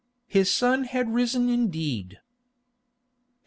His sun had risen indeed.